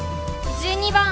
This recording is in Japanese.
１２番。